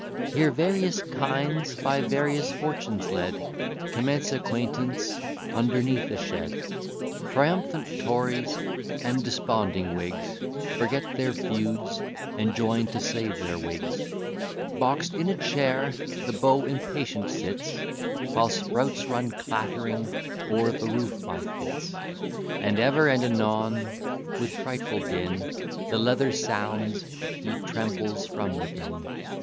Here various kinds, by various fortunes led, Commence acquaintance underneath a shed. Triumphant Tories, and desponding Whigs, Forget their feuds, and join to save their wigs. Box'd in a chair the beau impatient sits, While spouts run clattering o'er the roof by fits, And ever and anon with frightful din The leather sounds; he trembles from within.